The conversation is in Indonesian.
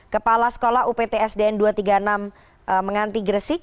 kepala sekolah upts dn dua ratus tiga puluh enam menghenti gresik